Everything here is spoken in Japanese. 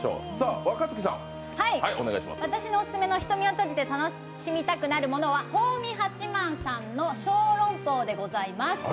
私のオススメの瞳を閉じて楽しみたいことは宝味八萬さんの小籠包でございます。